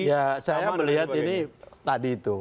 ya saya melihat ini tadi itu